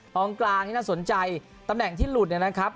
กลางกลางที่น่าสนใจตำแหน่งที่หลุดเนี่ยนะครับ